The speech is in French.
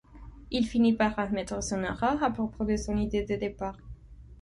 Il finit par admettre son erreur à propos de son idée de départ.